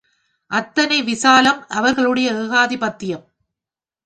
அத்தனை விசாலம் அவர்களுடைய ஏகாதிபத்தியம்!